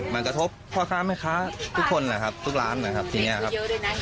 มันกระทบพ่อค้าแม่ค้าทุกคนนะครับทุกร้านนะครับทีนี้ครับ